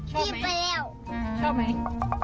ผู้เปล่าชิบไปเร็ว